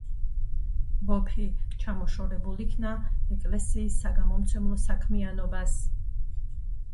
ბოფი ჩამოშორებულ იქნა ეკლესიის საგამომცემლო საქმიანობას.